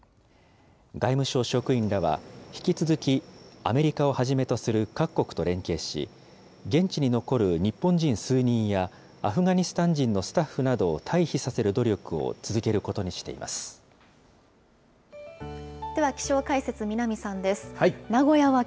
外務省職員らは引き続きアメリカをはじめとする各国と連携し、現地に残る日本人数人や、アフガニスタン人のスタッフなどを退避させる努力を続けることにでは、気象解説、南さんです。